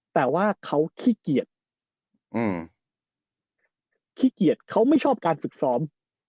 แต่ว่าเขาขี้เกียจเขาไม่ชอบการฝึกซ้อม